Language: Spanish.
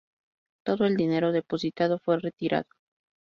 Todo el dinero depositado fue retirado.